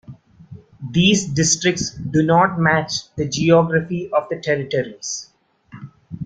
These districts do not match the geography of the territories.